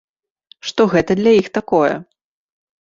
Што гэта для іх такое.